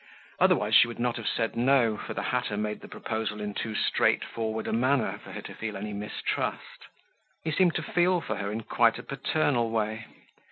Otherwise she would not have said, "No," for the hatter made the proposal in too straightforward a manner for her to feel any mistrust. He seemed to feel for her in quite a paternal way.